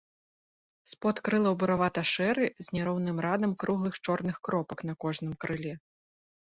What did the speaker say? Спод крылаў буравата-шэры з няроўным радам круглых чорных кропак на кожным крыле.